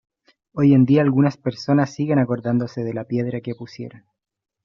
Hoy en día algunas personas siguen acordándose de la piedra que pusieron.